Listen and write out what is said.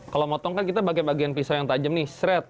kalau motong kan kita pakai bagian pisau yang tajam nih seret